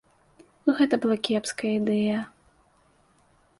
Гэта была кепская ідэя.